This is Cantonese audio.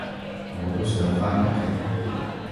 我都想返屋企